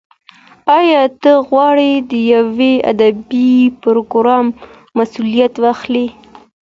ایا ته غواړې د یو ادبي پروګرام مسولیت واخلې؟